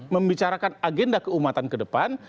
membicarakan agenda keumatan ke depan